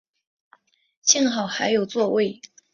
幸好还有座位